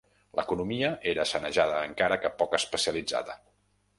L'economia era sanejada encara que poc especialitzada.